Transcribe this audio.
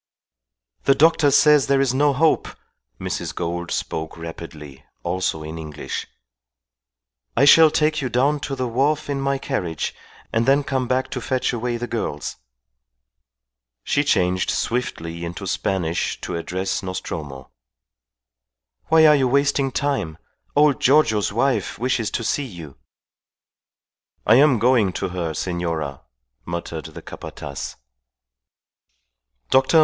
"The doctor says there is no hope," Mrs. Gould spoke rapidly, also in English. "I shall take you down to the wharf in my carriage and then come back to fetch away the girls." She changed swiftly into Spanish to address Nostromo. "Why are you wasting time? Old Giorgio's wife wishes to see you." "I am going to her, senora," muttered the Capataz. Dr.